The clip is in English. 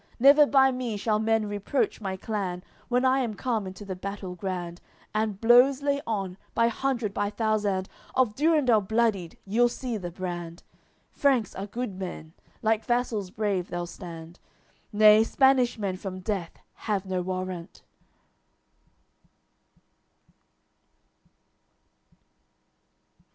Never by me shall men reproach my clan. When I am come into the battle grand, And blows lay on, by hundred, by thousand, Of Durendal bloodied you'll see the brand. Franks are good men; like vassals brave they'll stand; Nay, Spanish men from death have no warrant."